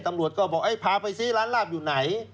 ตำรวจก็บอกพาไปซิร้านลาบอยู่ไหน